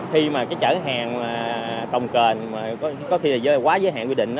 khi mà cái chở hàng còng kền có khi là quá giới hạn quy định